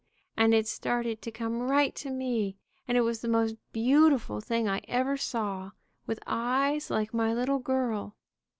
and it started to come right to me, and it was the most beautiful thing I ever saw, with eyes like my little girl.